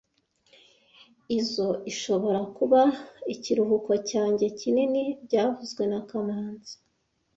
Izoi ishobora kuba ikiruhuko cyanjye kinini byavuzwe na kamanzi